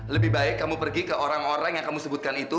lebih baik kamu pergi ke orang orang yang kamu sebutkan itu